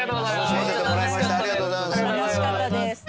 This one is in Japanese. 楽しかったです。